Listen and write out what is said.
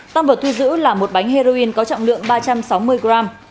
tam vật thu giữ là một bánh heroin có trọng lượng ba trăm sáu mươi g